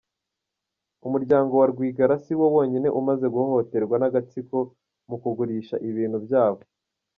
Umurwango wa Rwigara siwo wonyine umaze guhohoterwa n’agatsiko mu kugurisha ibintu byabo.